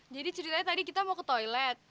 jadi ceritanya tadi kita mau ke toilet